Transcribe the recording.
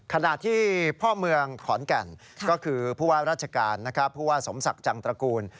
ขณะที่พ่อเมืองขอนแก่นก็คือผู้ว่าราชการนะครับผู้ว่าสมศักดิ์จังตระกูล